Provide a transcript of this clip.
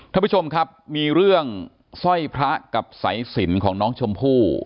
ท่านผู้ชมครับมีเรื่องสร้อยพระกับสายสินของน้องชมพู่